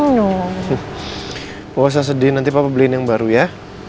nggak usah sedih nanti papa beliin yang baru ya